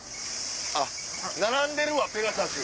あっ並んでるわペガサス。